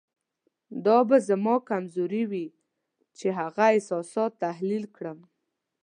دا به زما کمزوري وي چې هغه احساسات تحلیل کړم.